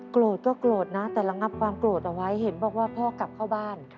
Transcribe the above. โกรธก็โกรธนะแต่ระงับความโกรธเอาไว้เห็นบอกว่าพ่อกลับเข้าบ้าน